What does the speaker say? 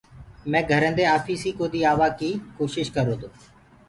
مي گھرينٚ دي آپيٚسي ڪودي آوآئيٚ ڪوشيٚش ڪرو تو